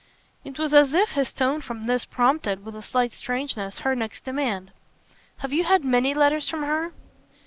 It was as if his tone for this prompted with a slight strangeness her next demand. "Have you had many letters from her?"